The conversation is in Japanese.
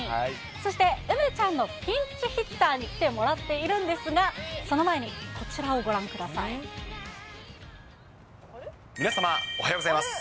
そして梅ちゃんのピンチヒッターに来てもらっているんですが、皆様、おはようございます。